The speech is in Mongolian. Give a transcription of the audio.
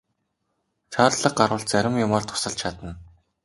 Шаардлага гарвал зарим юмаар тусалж чадна.